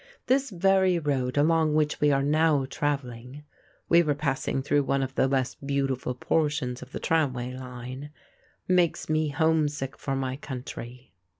This very road along which we are now travelling (we were passing through one of the less beautiful portions of the tramway line) makes me homesick for my country.